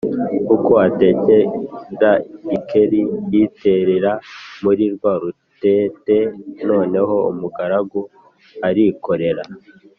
Uko atekera Gikeli yiterera muri rwa rutete. Noneho umugaragu arikorera,